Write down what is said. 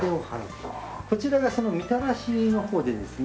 こちらがその御手洗の方でですね